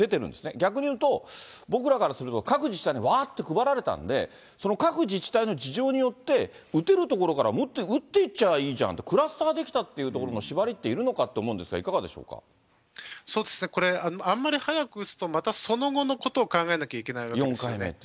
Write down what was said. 逆にいうと、僕らからすると、各自治体にわーっと配られたんで、その各自治体の事情によって、打てる所から打っていっちゃえばいいじゃんと、クラスターできたという所の縛りっているのかって思うんですけど、そうですね、これ、あんまり早く打つと、またその後のことを考えなきゃいけないわけです。